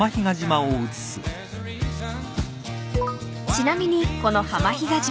［ちなみにこの浜比嘉島